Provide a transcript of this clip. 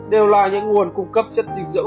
đều là những nguồn cung cấp chất dinh dưỡng